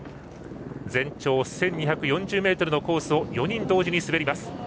全長１２４０ｍのコースを４人同時に滑ります。